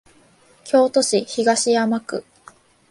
京都市東山区